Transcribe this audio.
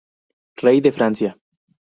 Rey de Francia.